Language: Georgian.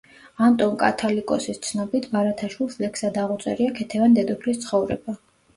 ანტონ კათალიკოსის ცნობით, ბარათაშვილს ლექსად აღუწერია ქეთევან დედოფლის ცხოვრება.